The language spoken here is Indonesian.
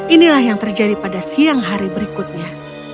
inilah yang terjadi pada siang hari berikutnya